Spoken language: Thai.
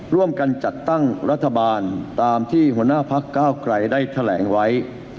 ร่วมกันจัดตั้งรัฐบาลตามที่หัวหน้าพักเก้าไกลได้แถลงไว้